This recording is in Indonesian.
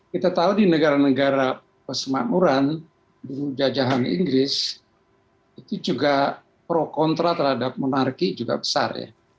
kita tahu di negara negara persemakmuran di jajahan inggris itu juga pro kontra terhadap monarki juga besar ya